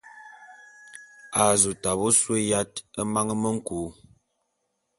A zu tabe ôsôé yat e mane me nku.